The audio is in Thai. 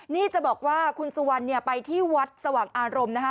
นี่จะบอกว่าคุณสุวรรณไปที่วัดสว่างอารมณ์นะคะ